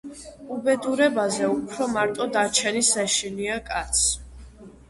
უბედურებაზე უფრო, მარტო დარჩენის ეშინია კაცს.